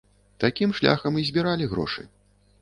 Такім шляхам і збіралі грошы.